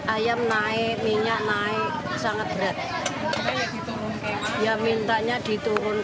ayam naik minyak naik sangat berat ya mintanya diturun